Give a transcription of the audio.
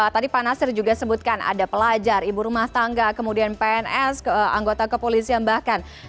tadi pak nasir juga sebutkan ada pelajar ibu rumah tangga kemudian pns anggota kepolisian bahkan